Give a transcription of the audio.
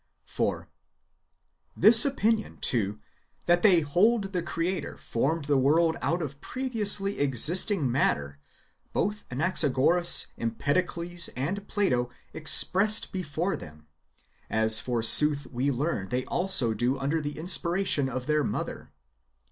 4. This opinion, too, that they hold the Creator formed the world out of previously existing matter, both Anaxagoras, Empedocles, and Plato expressed before them ; as, forsooth, we learn they also do under the inspiration of their Mother.